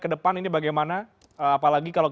ke depan ini bagaimana apalagi kalau